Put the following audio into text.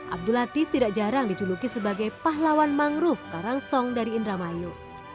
abdul latif tidak jarang diculuki sebagai pahlawan mangrove karang song dari indramayu